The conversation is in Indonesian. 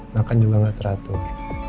makan juga gak teratur